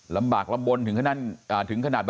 ลำบากลำบลถึงขนาด